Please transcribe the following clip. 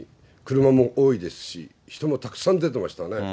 車も多いですし、人もたくさん出てましたね。